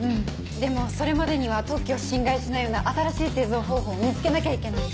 でもそれまでには特許を侵害しないような新しい製造方法を見つけなきゃいけない。